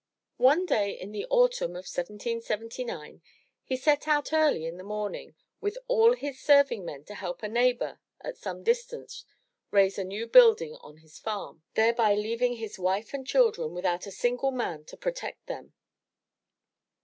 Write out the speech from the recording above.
One day in the autumn of 1779, he set out early in the morn ing with all his serving men to help a neighbor at some distance raise a new building on his farm, thereby leaving his wife and children without a single man to protect them.